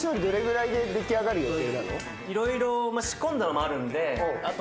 色々仕込んだのもあるんで。